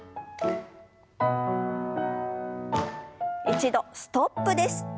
一度ストップです。